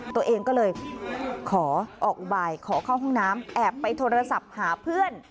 ตัวเองก็เลยขอออกอุบายขอเข้าห้องน้ำแอบไปโทรศัพท์หาเพื่อน